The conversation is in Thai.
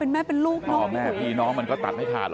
ร้องแม่เป็นลูกน้องพี่น้องก็ตัดให้ขาด